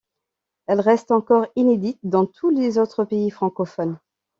Elle reste encore inédite dans tous les autres pays francophones.